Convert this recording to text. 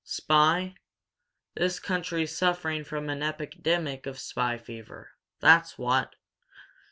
"Spy? This country's suffering from an epidemic of spy fever that's what!